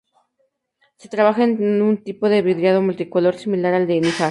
Se trabaja un tipo de vidriado multicolor, similar al de Níjar.